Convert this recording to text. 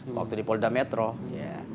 waktu di polda metro ya